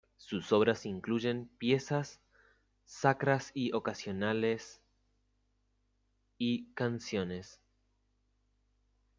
Sus obras incluyen piezas sacras y ocasionales y canciones.